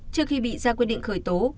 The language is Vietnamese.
trước khi bị ra quyết định khởi tố